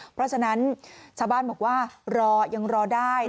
เพราะฉะนั้นชาวบ้านบอกว่ารอยังรอได้